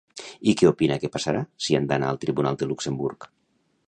I què opina que passarà si han d'anar al tribunal de Luxemburg?